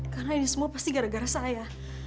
karena ini semua pasti gara gara saya